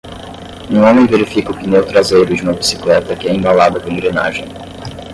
Um homem verifica o pneu traseiro de uma bicicleta que é embalada com engrenagem.